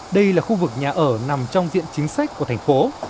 đây là khu vực nhà ở nằm trong diện chính sách của thành phố